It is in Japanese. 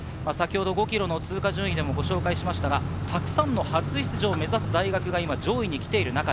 ５ｋｍの通過順位でもご紹介しましたが、たくさんの初出場を目指す大学が上位に来ています。